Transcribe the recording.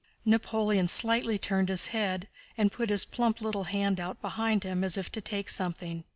Napoleon slightly turned his head, and put his plump little hand out behind him as if to take something.